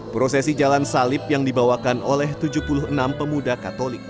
prosesi jalan salib yang dibawakan oleh tujuh puluh enam pemuda katolik